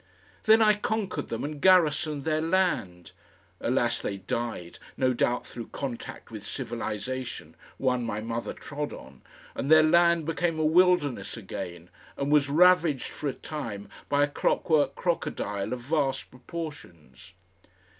Then I conquered them and garrisoned their land. (Alas! they died, no doubt through contact with civilisation one my mother trod on and their land became a wilderness again and was ravaged for a time by a clockwork crocodile of vast proportions.)